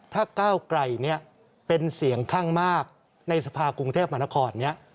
ถ้าเก้าไกลนี้เป็นเสี่ยงข้างมากในสภาคกรุงเทพฯมานาคอร์ดนี้